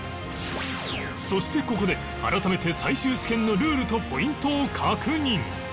そしてここで改めて最終試験のルールとポイントを確認